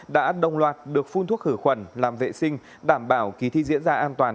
đã đồng loạt được phun thuốc khử khuẩn làm vệ sinh đảm bảo kỳ thi diễn ra an toàn